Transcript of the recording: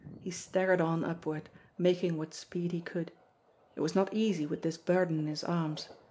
He staggered on upward, making what speed he could. It was not easy with this burden in his arms.